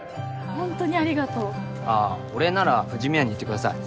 ホントにありがとうああお礼なら藤宮に言ってください